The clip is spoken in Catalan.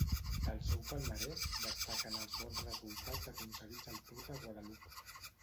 Del seu palmarès destaquen els bons resultats aconseguits al Tour de Guadeloupe.